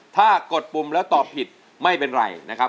ถ้ากดปุ่มแล้วตอบผิดไม่เป็นไรนะครับ